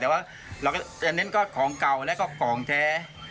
แต่ว่าอันนั้นก็ของเก่าและก็ของแท้